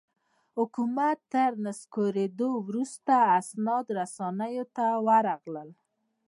حکومت تر نسکورېدو وروسته اسناد رسنیو ته ورغلل.